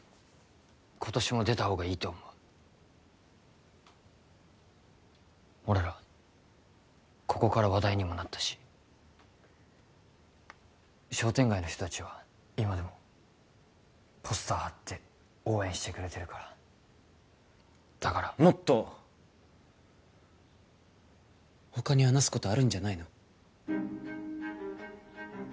今年も出たほうがいいと思う俺らここから話題にもなったし商店街の人達は今でもポスター貼って応援してくれてるからだからもっと他に話すことあるんじゃないの？